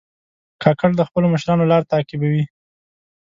کاکړ د خپلو مشرانو لار تعقیبوي.